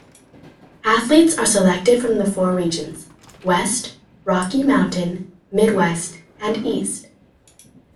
Athletes are selected from the four regions: West, Rocky Mountain, MidWest, and East.